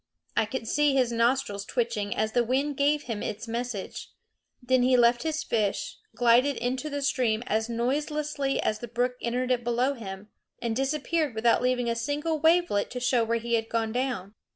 I could see his nostrils twitching as the wind gave him its message. Then he left his fish, glided into the stream as noiselessly as the brook entered it below him, and disappeared without leaving a single wavelet to show where he had gone down.